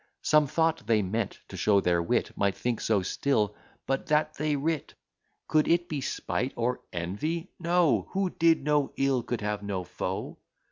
Some thought they meant to show their wit, Might think so still "but that they writ" Could it be spite or envy? "No Who did no ill could have no foe."